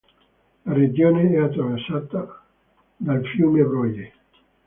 La regione è attraversata dal fiume Broye.